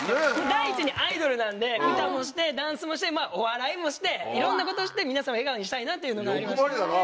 第一にアイドルなんで歌もしてダンスもしてまぁお笑いもしていろんなことして皆さんを笑顔にしたいなというのがありました。